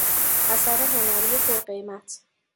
اثر هنری پرقیمت